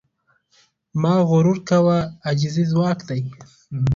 مه غرور کوه، عاجزي ځواک دی.